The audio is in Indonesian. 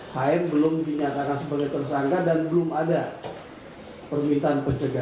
hn belum dinyatakan sebagai tersangka dan belum ada permintaan pencegahan